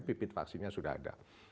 bibit vaksinnya sudah ada